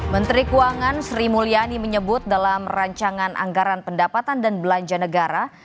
menteri keuangan sri mulyani menyebut dalam rancangan anggaran pendapatan dan belanja negara